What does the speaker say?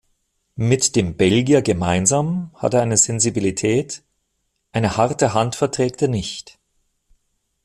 Mit dem Belgier gemeinsam hat er seine Sensibilität, eine harte Hand verträgt er nicht.